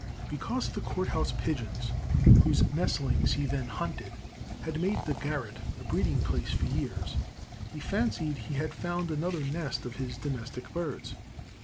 Because the court house pigeons, whose nestlings he then hunted, had made the garret a breeding place for years, he fancied he had found another nest of his domestic birds.